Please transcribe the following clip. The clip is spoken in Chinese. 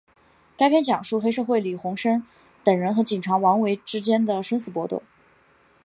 该片讲述黑社会李鸿声等人和警察王维之间的生死搏斗。